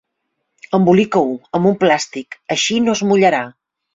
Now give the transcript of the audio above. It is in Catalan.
Embolica-ho amb un plàstic: així no es mullarà!